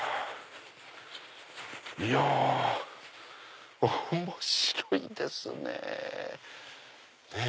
いや面白いですね。ねぇ！